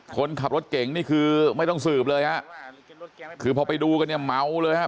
คนขับรถเก่งนี่คือไม่ต้องสืบเลยฮะคือพอไปดูกันเนี่ยเมาเลยฮะ